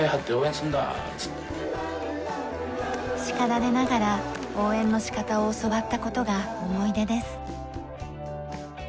叱られながら応援の仕方を教わった事が思い出です。